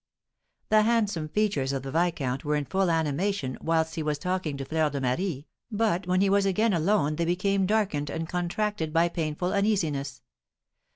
The handsome features of the viscount were in full animation whilst he was talking to Fleur de Marie, but when he was again alone they became darkened and contracted by painful uneasiness.